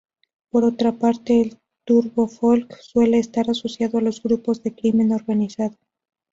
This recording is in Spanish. Por otra parte, el turbo-folk suele estar asociado a los grupos de crimen organizado.